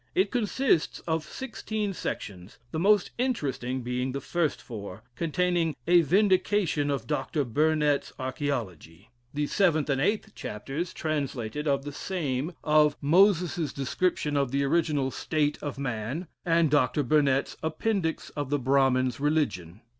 It consists of sixteen sections; the most interesting being the first four, containing "A Vindication of Dr. Burnett's Archiologie." The seventh and eighth chapters (translated) of the same, of "Moses's Description of the Original State of Man," and Dr. Burnett's "Appendix of the Brahmin's Religion."